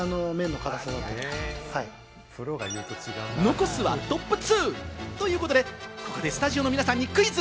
残すはトップ２。ということで、ここでスタジオの皆さんにクイズ！